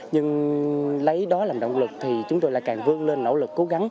nhưng lấy đó làm động lực thì chúng tôi lại càng vươn lên nỗ lực cố gắng